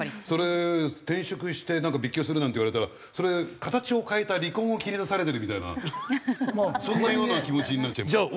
それ転職してなんか別居するなんて言われたらそれ形を変えた離婚を切り出されてるみたいなそんなような気持ちになっちゃいます。